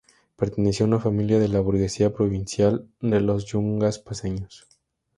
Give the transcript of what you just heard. Perteneció a una familia de la burguesía provincial de los yungas paceños.